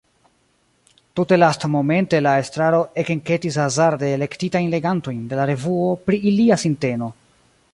Tute lastmomente la estraro ekenketis hazarde elektitajn legantojn de la revuo pri ilia sinteno.